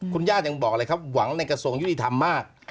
คุณญาติยังบอกเลยครับหวังในกระทรวงยุติธรรมมาก